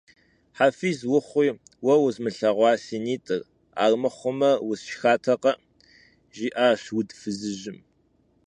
Hefiz vuxhui vue vuzımılheğua si nit'ır, armıxhume, vusşşxatekhe, – jji'aş vud fızıjım.